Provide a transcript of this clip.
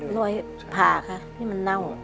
รอยผ่าค่ะนี่มันเน่า